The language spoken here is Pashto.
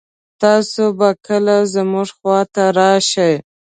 تاسو به کله مونږ خوا ته راشئ